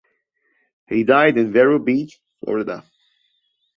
He died in Vero Beach, Florida.